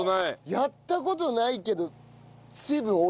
やった事ないけど。